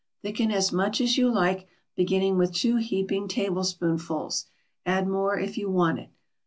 Thicken as much as you like, beginning with two heaping tablespoonfuls; add more if you want it.